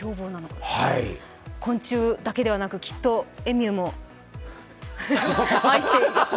昆虫だけではなく、きっとエミューも愛して？